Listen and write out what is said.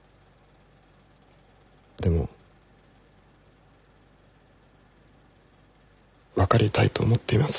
でも分かりたいと思っています。